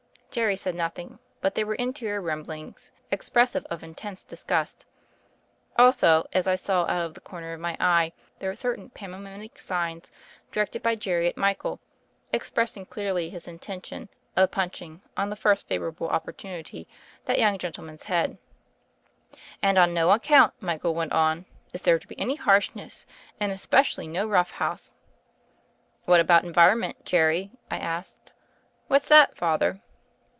Jerry said nothing; but there were interior rumblings expressive of intense disgust. Also as I saw out of the corner of my eye, there were certain pantomimic signs directed by Jerry at Michael expressing clearly his intention of punching, on the first favorable opportunity, that young gentleman's head. THE FAIRY OF THE SNOWS 63 "And on no account," Michael went on, "is there to be any harshness, and especially no rough house." "What about environment, Jerry?" I asked. "What's that, Father?"